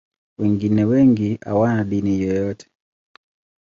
Wengine wengi hawana dini yoyote.